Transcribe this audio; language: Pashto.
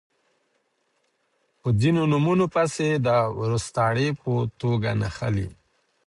په ځینو نومونو پسې د وروستاړي په توګه نښلی